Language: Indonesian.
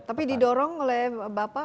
tapi didorong oleh bapak